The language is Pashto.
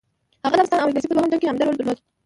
هغه د افغانستان او انګلیس په دوهم جنګ کې عمده رول درلود.